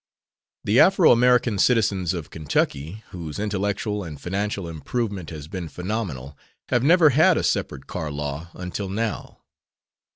The Afro American citizens of Kentucky, whose intellectual and financial improvement has been phenomenal, have never had a separate car law until now.